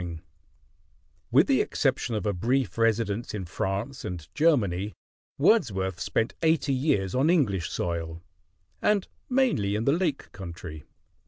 ] [Illustration: GRASMERE CHURCH] With the exception of a brief residence in France and Germany, Wordsworth spent eighty years on English soil, and mainly in the Lake Country.